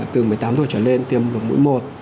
từ một mươi tám tuổi trở lên tiêm được mũi một